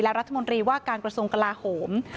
และรัฐมนตรีว่าการกระทรวงกลาโหม